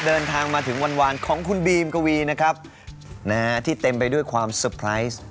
เดินทางมาถึงวันของคุณบีมกวีนะครับนะฮะที่เต็มไปด้วยความเซอร์ไพรส์